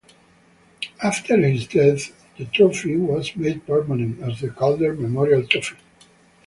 After his death, the trophy was made permanent as the Calder Memorial Trophy.